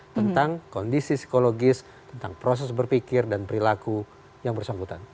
tentang kondisi psikologis tentang proses berpikir dan perilaku yang bersangkutan